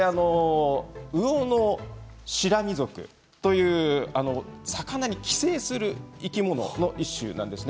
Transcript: ウオノシラミ属という魚に寄生する生き物の一種なんです。